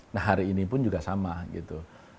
nah hari ini pun juga sama gitu